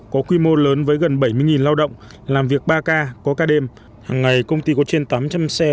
có quy mô lớn với gần bảy mươi lao động làm việc ba k có ca đêm hằng ngày công ty có trên tám trăm linh xe